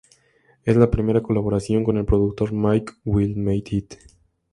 Es la primera colaboración con el productor Mike Will Made It.